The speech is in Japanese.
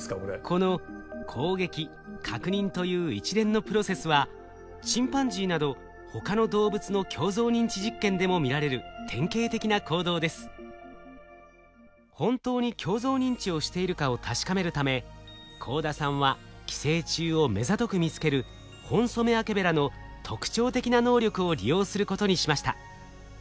この攻撃確認という一連のプロセスはチンパンジーなど本当に鏡像認知をしているかを確かめるため幸田さんは寄生虫をめざとく見つけるホンソメワケベラの特徴的な能力を利用することにしました。